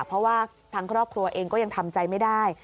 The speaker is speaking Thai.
เพราะว่าทางครอบครัวเองก็ยังทำใจไม่ได้